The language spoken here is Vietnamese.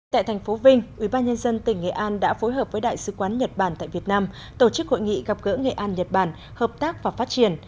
tại thành phố vinh ubnd tỉnh nghệ an đã phối hợp với đại sứ quán nhật bản tại việt nam tổ chức hội nghị gặp gỡ nghệ an nhật bản hợp tác và phát triển